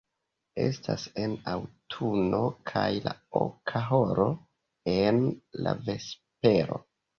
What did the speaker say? Estas en aŭtuno kaj la oka horo en la vespero.